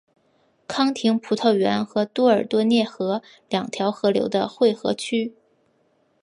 康廷葡萄园和多尔多涅河两条河流的汇合区。